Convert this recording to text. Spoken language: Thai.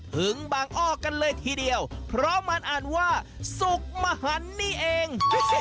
ถึงบางอ้อกันเลยทีเดียวเพราะมันอ่านว่าสุขมหันนี่เอง